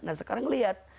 nah sekarang lihat